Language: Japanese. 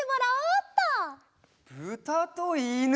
ぶたといぬ？